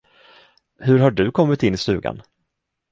Hur har du kommit in i stugan?